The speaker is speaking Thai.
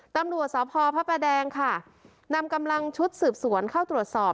ตำรวจสพพระประแดงค่ะนำกำลังชุดสืบสวนเข้าตรวจสอบ